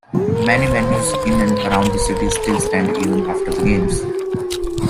Many venues in and around the city still stand even after the games.